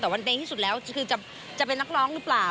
แต่วันเด้งที่สุดแล้วคือจะเป็นนักร้องหรือเปล่า